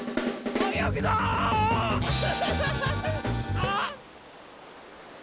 あっ！